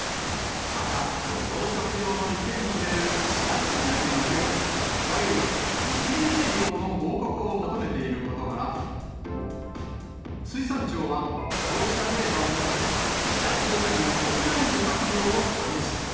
また、養殖場の池に入れるシラスウナギの量、いわゆる池入れ量の報告を求めていることから、水産庁は、こうしたデータを基に、シラスウナギの国内漁獲量を算出。